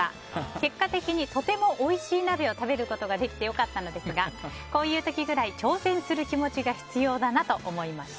結果的に、とてもおいしい鍋を食べることができてよかったのですがこういう時くらい挑戦する気持ちが必要だなと思いました。